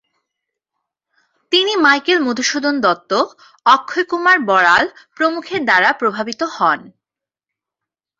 তিনি মাইকেল মধুসূদন দত্ত, অক্ষয় কুমার বড়াল প্রমুখের দ্বারা প্রভাবিত হন।